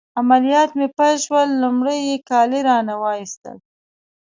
عملیات مې پیل شول، لمړی يې کالي رانه وایستل.